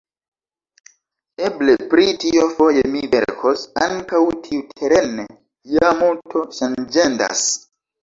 Eble pri tio foje mi verkos; ankaŭ tiuterene ja multo ŝanĝendas.